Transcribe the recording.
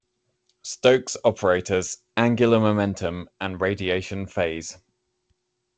Stokes operators, angular momentum and radiation phase.